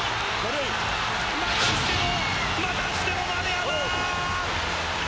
またしても丸山。